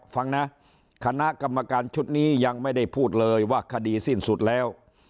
ฟังนะคณะกรรมการชุดนี้ยังไม่ได้พูดเลยว่าคดีสิ้นสุดแล้ว